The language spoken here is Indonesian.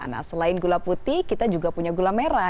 nah selain gula putih kita juga punya gula merah